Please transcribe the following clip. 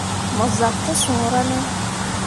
Mo zak te suura ne.